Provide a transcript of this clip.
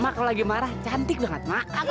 mak kalau lagi marah cantik banget mak